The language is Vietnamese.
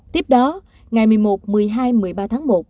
tiếp đó ngày một mươi một một mươi hai một mươi ba tháng một